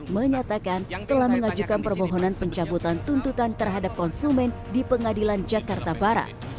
menyatakan telah mengajukan permohonan pencabutan tuntutan terhadap konsumen di pengadilan jakarta barat